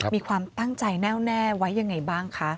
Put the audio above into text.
มีความตั้งใจแน่วแน่ไว้ยังไงบ้างคะ